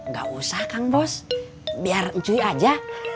gak usah kang bos biar cui aja